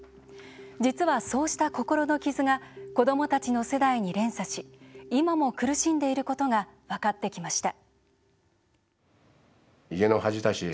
実は、そうした心の傷が子どもたちの世代に連鎖し今も苦しんでいることが分かってきました。